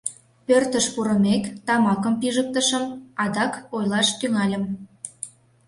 Пӧртыш пурымек, тамакым пижыктышым, адак ойлаш тӱҥальым.